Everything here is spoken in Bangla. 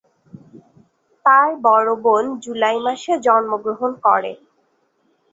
তার বড় বোন জুলাই মাসে জন্মগ্রহণ করে।